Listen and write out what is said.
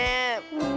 うん。